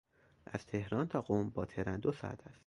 از تهران تا قم با ترن دو ساعت است.